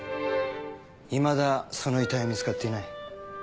いまだその遺体は見つかっていない。